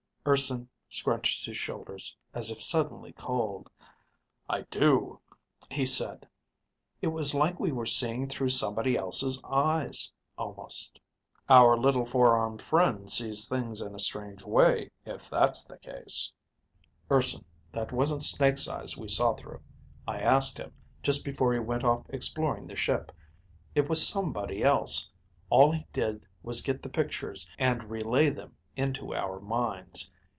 Urson scrunched his shoulders as if suddenly cold. "I do," he said. "It was like we were seeing through somebody else's eyes, almost." "Our little four armed friend sees things in a strange way if that's the case." "Urson, that wasn't Snake's eyes we saw through. I asked him, just before he went off exploring the ship. It was somebody else. All he did was get the pictures and relay them into our minds.